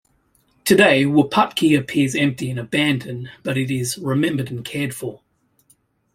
Today Wupatki appears empty and abandoned, but it is remembered and cared for.